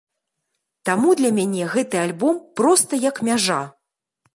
Таму для мяне гэты альбом проста як мяжа.